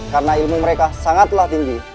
karena ilmu mereka sangatlah tinggi